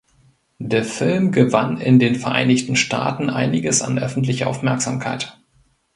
Der Film gewann in den Vereinigten Staaten einiges an öffentlicher Aufmerksamkeit.